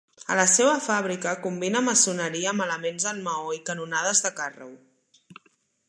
A la seua fàbrica combina maçoneria amb elements en maó i cantonades de carreu.